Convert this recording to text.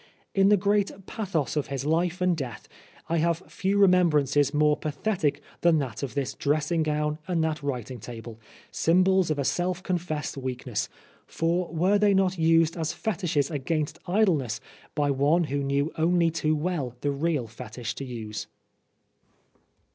In the great pathos of his life and death, I have few remembrances more pathetic than that of this dressing gown and that writing table, symbols of a self confessed weakness, for were they not used as fetishes against idleness by one who knew only too well the real fetish to use